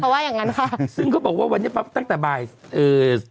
ว่าอย่างงั้นค่ะซึ่งเขาบอกว่าวันนี้ปั๊บตั้งแต่บ่ายเอ่อ